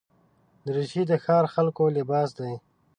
دریشي د ښاري خلکو لباس دی.